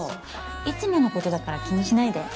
いつものことだから気にしないで。